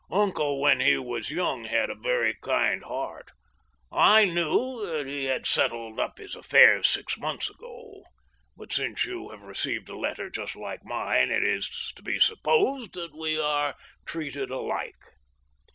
Uncle when he was young had a very kind heart. ... I knew that he had settled up his affairs six months ago, but, since you have received a letter just like mine, it is to be supposed that we are treated alike."